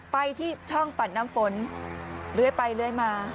ไปที่ช่องปัดน้ำฝนเลื้อยไปเลื้อยมา